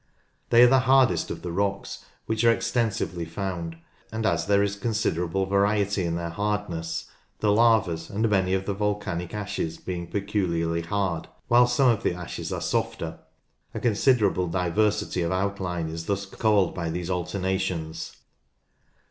They are the hardest of the rocks which are extensively found, and as there is considerable variety in their hardness, the lavas and many of the volcanic ashes being peculiarly hard, while some of the ashes are softer, a considerable diversity of outline is thus caused by these alternations.